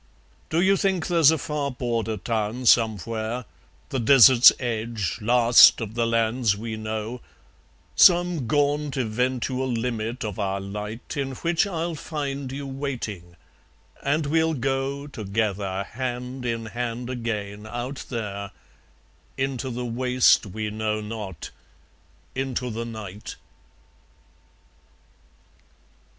... Do you think there's a far border town, somewhere, The desert's edge, last of the lands we know, Some gaunt eventual limit of our light, In which I'll find you waiting; and we'll go Together, hand in hand again, out there, Into the waste we know not, into the night?